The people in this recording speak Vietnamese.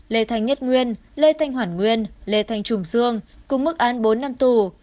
lê thành nhất nguyên lê thành hoàn nguyên lê thành trùng dương cùng mức án bốn năm tù